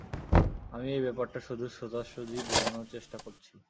আমি এই ব্যাপারটা শুধু সোজাসুজি বোঝানোর চেষ্টা করছি।